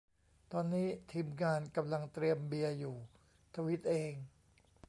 ตอนนี้ทีมงานกำลังเตรียมเบียร์อยู่ ทวีตเอง